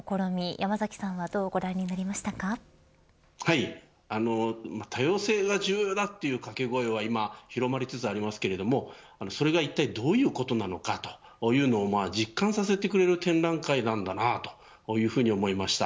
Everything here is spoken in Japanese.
山崎さんはどうご覧になりましたか。多様性が重要だという掛け声は今広まりつつありますけれどもそれがいったいどういうことなのかというのを実感させてくれる展覧会だなというふうに思いました。